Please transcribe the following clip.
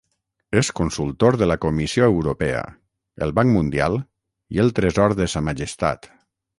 És consultor de la Comissió Europea, el Banc Mundial i el Tresor de Sa Majestat.